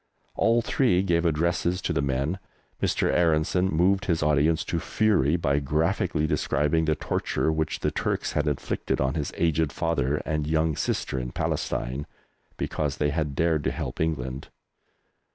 All three gave addresses to the men. Mr. Aaronson moved his audience to fury by graphically describing the torture which the Turks had inflicted on his aged father and young sister in Palestine, because they had dared to help England.